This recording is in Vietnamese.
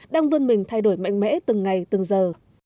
đang vươn mình thay đổi mạnh mẽ từng ngày từng giờ